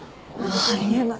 あり得ない。